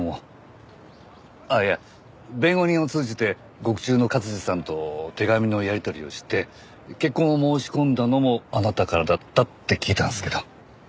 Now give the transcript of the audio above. あっいや弁護人を通じて獄中の勝治さんと手紙のやり取りをして結婚を申し込んだのもあなたからだったって聞いたんですけど。